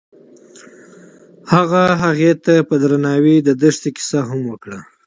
هغه هغې ته په درناوي د دښته کیسه هم وکړه.